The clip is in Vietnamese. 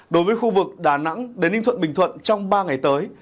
đối với khu vực đà nẵng đến ninh thuận bình thuận trong ba ngày tới